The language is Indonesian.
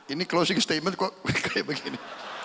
ini closing statement kok kayak begini